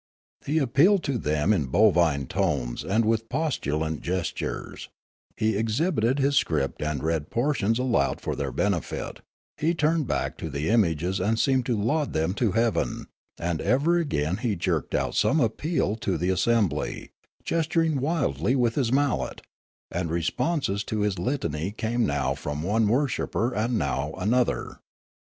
He appealed to them in bovine tones and with postulant gestures ; he exhibited his script and read portions aloud for their benefit ; he turned back to the images and seemed to laud them to heaven ; and ever and again he jerked out some appeal to the assembly, gesturing wildly with his mallet ; and responses to his litany came now from one worshipper and now from another.